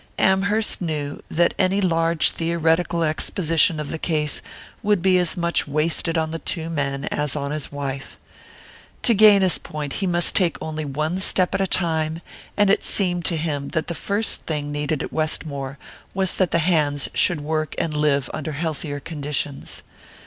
Amherst knew that any large theoretical exposition of the case would be as much wasted on the two men as on his wife. To gain his point he must take only one step at a time, and it seemed to him that the first thing needed at Westmore was that the hands should work and live under healthier conditions.